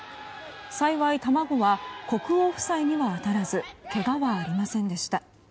幸い卵は国王夫妻には当たらずけがはありませんでした。